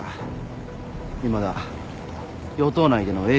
いまだ与党内での影響力は強い。